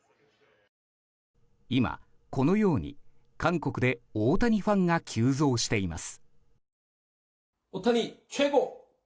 今、このように韓国内で大谷ファンが急増しています。